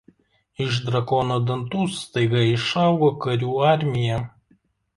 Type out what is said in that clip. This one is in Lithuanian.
Iš drakono dantų staiga išaugo karių armija.